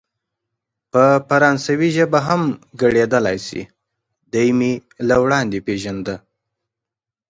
په فرانسوي هم ګړیدلای شي، دی مې له وړاندې پېژانده.